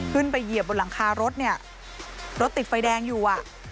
เหยียบบนหลังคารถเนี่ยรถติดไฟแดงอยู่อ่ะ